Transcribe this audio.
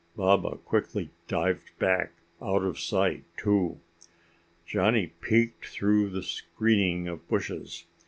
Baba quickly dived back out of sight too. Johnny peeked through the screening of bushes.